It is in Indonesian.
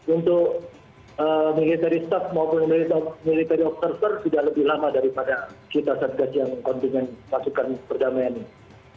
untuk mengikuti dari staff maupun memberi top military observer sudah lebih lama daripada kita satgas yang konfliknya pasukan perdamaian ini